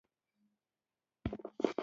زمری د تازه میوو فصل دی.